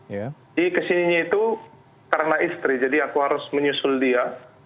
jadi kesininya itu karena istri jadi aku harus menyusul dia